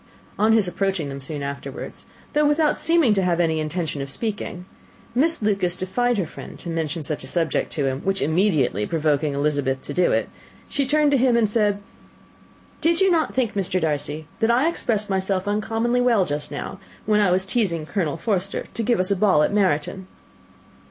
[Illustration: "The entreaties of several" [Copyright 1894 by George Allen.]] On his approaching them soon afterwards, though without seeming to have any intention of speaking, Miss Lucas defied her friend to mention such a subject to him, which immediately provoking Elizabeth to do it, she turned to him and said, "Did not you think, Mr. Darcy, that I expressed myself uncommonly well just now, when I was teasing Colonel Forster to give us a ball at Meryton?"